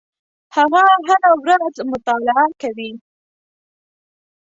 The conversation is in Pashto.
هغه هره ورځ مطالعه کوي.